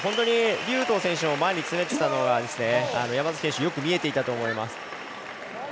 劉禹とう選手が前に詰めていたのを山崎選手よく見えていたと思います。